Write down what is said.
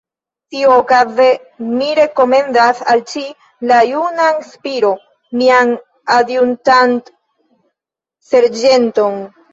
Tiuokaze, mi rekomendas al ci la junan Spiro, mian adjutant-serĝenton.